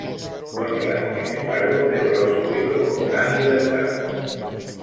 Konrad, sin embargo, preparó su libro con gran libertad.